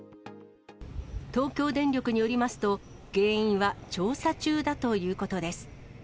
東京電力によりますと、原因は調査中だということです。